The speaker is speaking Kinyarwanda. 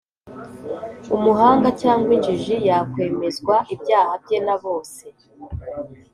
umuhanga cyangwa injiji yakwemezwa ibyaha bye na bose